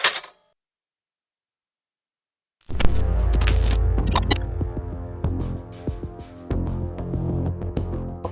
ดรบิ๊วน์อัลลุย์เพย์มเร็ว